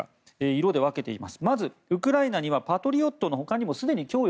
色分けしています。